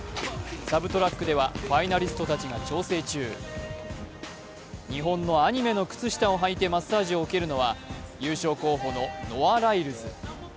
サブトラックではファイナリストたちが調整中日本のアニメの靴下を履いてマッサージを受けるのは優勝候補のノア・ライルズ。